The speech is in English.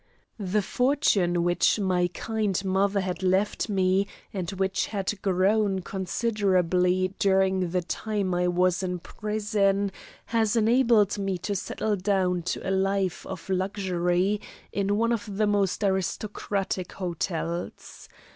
The fortune which my kind mother had left me and which had grown considerably during the time I was in prison has enabled me to settle down to a life of luxury in one of the most aristocratic hotels.